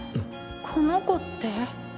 この子って？